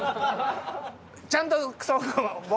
ちゃんと「僕」